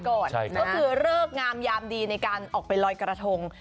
ก็คือเลิกงามยามดีในการออกไปลอยกระทง